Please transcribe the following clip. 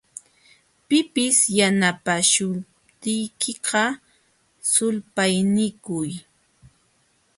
Pipis yanapaśhuptiykiqa, sulpaynikuy.